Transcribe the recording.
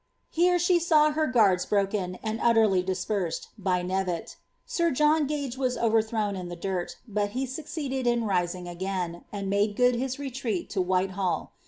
Hare ahe law her goarda brolun, and utterly diapened, by Knevet Sir John Gwe wm cnrerthrown iot the dirt; but he ancceeded in riainff again, and nwde good hia retreat to Whitehall.